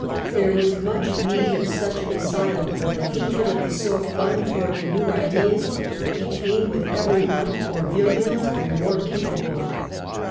There was much need of such an asylum, for the hatred of the Sorbonne towards the new ideas became with every month more virulent and more capable.